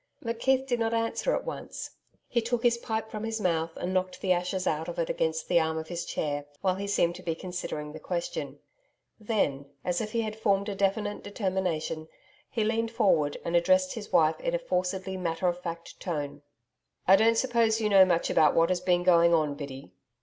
McKeith did not answer at once. He took his pipe from his mouth, and knocked the ashes out of it against the arm of his chair, while he seemed to be considering the question. Then, as if he had formed a definite determination, he leaned forward and addressed his wife in a forcedly matter of fact tone. 'I don't suppose you know much about what has been going on, Biddy.